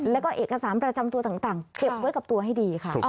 แล้วก็เอกสารประจำตัวต่างเก็บไว้กับตัวให้ดีค่ะ